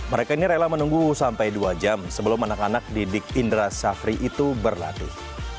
mereka ini rela menunggu sampai dua jam sebelum anak anak didik indra syafri itu berlatih